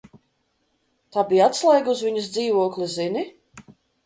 Tā bija atslēga uz viņas dzīvokli Zini?